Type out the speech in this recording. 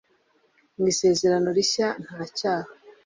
mu isezerano rishya nta cyaha